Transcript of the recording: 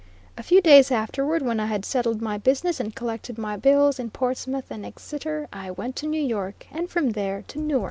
A few days afterward, when I had settled my business and collected my bills in Portsmouth and Exeter, I went to New York, and from there to Newark.